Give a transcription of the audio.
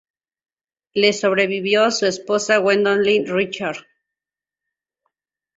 Le sobrevivió su esposa Gwendolyn Rickard.